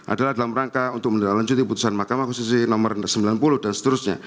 adalah dalam rangka untuk mendelanjuti putusan mahkamah konstitusi nomor sembilan puluh dan seterusnya